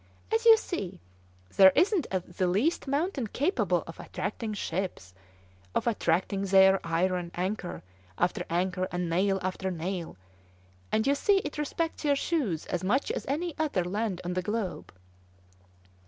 As you see, there isn't the least mountain capable of attracting ships, of attracting their iron anchor after anchor and nail after nail, and you see it respects your shoes as much as any other land on the globe."